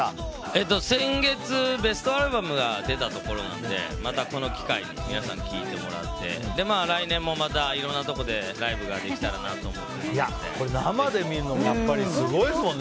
先月、ベストアルバムが出たところなのでまたこの機会に皆さんに聞いてもらって来年もいろんななところでライブができたらなと生で見るのもやっぱりすごいですもんね。